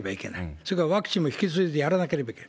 それから、ワクチンも引き継いでやらなければいけない。